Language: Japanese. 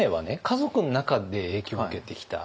家族の中で影響を受けてきた。